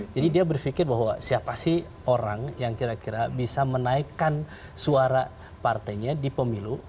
jadi dia berpikir bahwa siapa sih orang yang kira kira bisa menaikkan suara partainya di pemilu